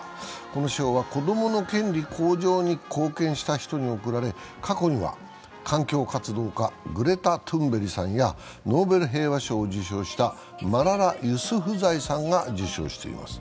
この賞は子供の権利向上に貢献した人に贈られ過去には環境活動家、グレタ・トゥンベリさんやノーベル平和賞を受賞したマララ・ユスフザイさんが受賞しています。